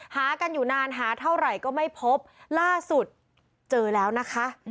หากันอยู่นานหาเท่าไหร่ก็ไม่พบล่าสุดเจอแล้วนะคะ